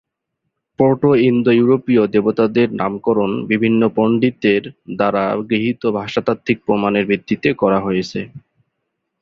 প্রোটো-ইন্দো-ইউরোপীয় দেবতাদের নামকরণ বিভিন্ন পন্ডিতের দ্বারা গৃহীত ভাষাতাত্ত্বিক প্রমাণের ভিত্তিতে করা হয়েছে।